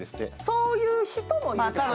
そういう人もいる。